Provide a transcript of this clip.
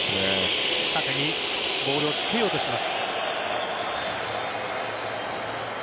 縦にボールをつけようとします。